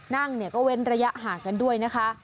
นั่งเนี่ยก็เว้นระยะห่างกันด้วยนะคะ